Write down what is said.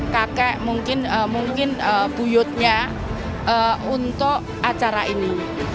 kakek mungkin buyutnya untuk acara ini